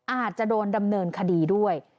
อาจจะโดนดำเนินคดีด้วย